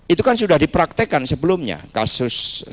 itu kan sudah dipraktekan sebelumnya kasus